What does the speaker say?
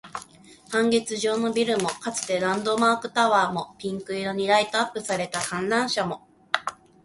半月状のビルも、かつてのランドマークタワーも、ピンク色にライトアップされた観覧車も